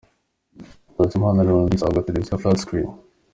Nsanzimana Leonidas ahabwa Televiziyo ya 'Flat Screen'.